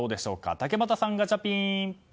竹俣さん、ガチャピン！